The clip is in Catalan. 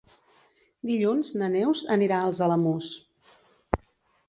Dilluns na Neus anirà als Alamús.